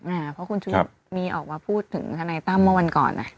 เพราะคุณชุวิตมีออกมาพูดถึงทนายตั้มเมื่อวันก่อน